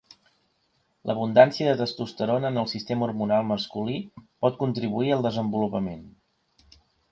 L'abundància de testosterona en el sistema hormonal masculí pot contribuir al desenvolupament.